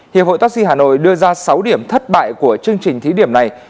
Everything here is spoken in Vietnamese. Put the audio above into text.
hiệp hội taxi hà nội đưa ra sáu điểm thất bại của chương trình thí điểm này